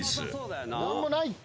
何もないって。